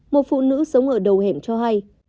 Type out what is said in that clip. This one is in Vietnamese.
một phụ nữ sống ở đầu hẻm cho hay